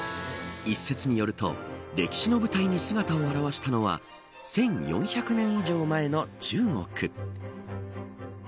一説によると歴史の舞台に姿を現したのは１４００年以上前の中国。